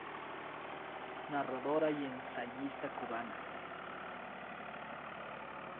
Narradora y ensayista cubana.